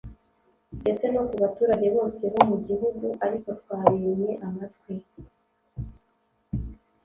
ndetse no ku baturage bose bo mu gihugu, ariko twabimye amatwi